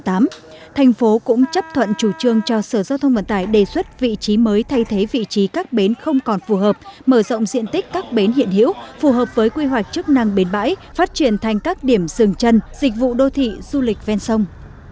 thành phố cũng chấp thuận chủ trương cho sở giao thông vận tải đề xuất vị trí mới thay thế vị trí các bến không còn phù hợp mở rộng diện tích các bến hiện hiểu phù hợp với quy hoạch chức năng bến bãi phát triển thành các điểm rừng chân dịch vụ đô thị du lịch ven sông